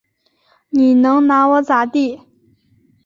你能拿我咋地？